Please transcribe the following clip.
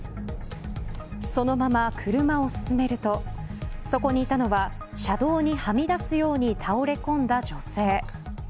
そのまま車を進めるとそこにいたのは車道にはみ出すように倒れ込んだ女性。